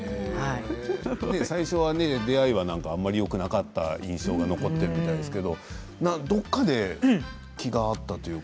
最初の出会いはあまりよくなかった印象が残っているみたいですけれどどこかで気が合ったというか。